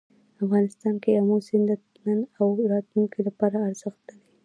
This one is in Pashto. افغانستان کې آمو سیند د نن او راتلونکي لپاره ارزښت لري.